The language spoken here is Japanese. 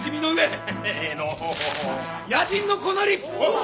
野人の子なり！